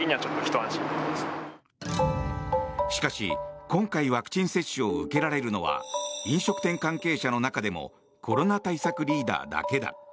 しかし、今回ワクチン接種を受けられるのは飲食店関係者の中でもコロナ対策リーダーだけだ。